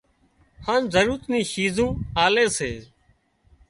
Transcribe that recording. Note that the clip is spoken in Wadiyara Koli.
هانَ ضرورت نِي شِيزون لي سي